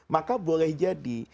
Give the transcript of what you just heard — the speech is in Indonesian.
maka boleh jadi